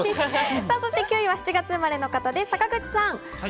９位は７月生まれの方です、坂口さん。